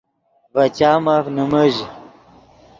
ڤے چامف نیمیژ